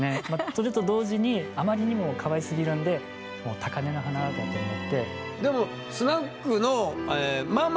それと同時にあまりにもかわいすぎるんでもう高根の花だと思って。